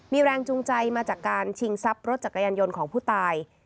มีแรงจูงใจมาจากการชิงทรัพย์รถจักรยานยนต์ของผู้ตาย